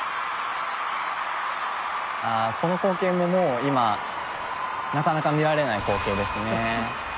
ああこの光景ももう今なかなか見られない光景ですね。